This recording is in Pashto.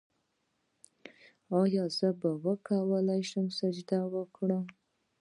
ایا زه به وکولی شم سجده وکړم؟